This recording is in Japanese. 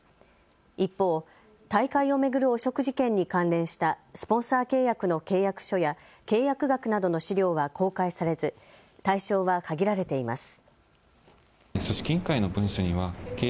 一方、大会を巡る汚職事件に関連したスポンサー契約の契約書や契約額などの資料は公開されず対象は限られています。